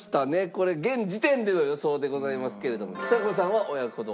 これ現時点での予想でございますけれどもちさ子さんは親子丼。